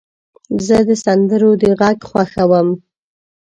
زه د سندرو د غږ خوښوم.